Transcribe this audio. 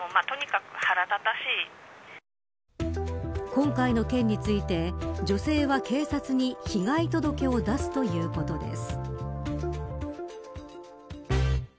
今回の件について女性は警察に被害届を出すということです。